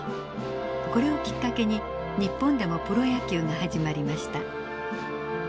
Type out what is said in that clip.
これをきっかけに日本でもプロ野球が始まりました。